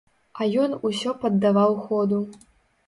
А ён усё паддаваў ходу.